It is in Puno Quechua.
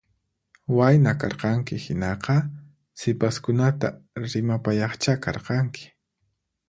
Wayna karqanki hinaqa sipaskunata rimapayaqcha karqanki